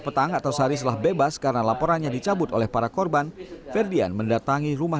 petang atau sehari setelah bebas karena laporannya dicabut oleh para korban ferdian mendatangi rumah